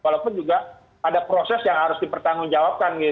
walaupun juga ada proses yang harus dipertanggung jawabkan gitu